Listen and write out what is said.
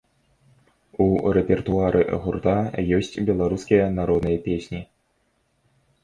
У рэпертуары гурта ёсць беларускія народныя песні.